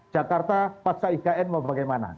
jakarta pasca ikn mau bagaimana